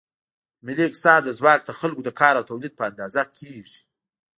د ملي اقتصاد ځواک د خلکو د کار او تولید په اندازه کېږي.